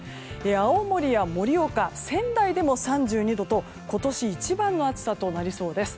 青森や盛岡、仙台でも３２度と今年一番の暑さとなりそうです。